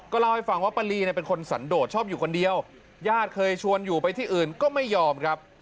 เล่าให้ฟังว่าป้าลีเนี่ยเป็นคนสันโดดชอบอยู่คนเดียวญาติเคยชวนอยู่ไปที่อื่นก็ไม่ยอมครับ